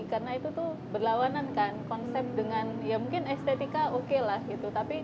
karena itu tuh berlawanan kan konsep dengan ya mungkin estetika okelah gitu